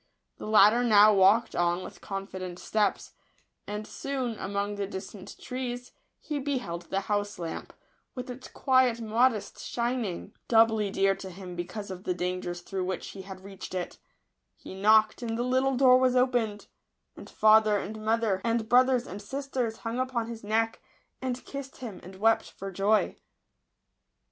The latter now walked on with confident steps; and soon, among the distant trees, he beheld the house lamp, with its quiet modest shining, doubly dear to him because of the dangers through which he had reached it He knocked, and the little door was opened ; and father and mother, and brothers and sisters, hung upon his neck, and kissed him, and wept for joy.